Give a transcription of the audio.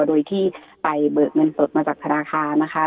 โดยที่ไปเบิกเงินสดมาจากธนาคารนะคะ